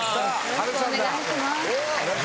よろしくお願いします。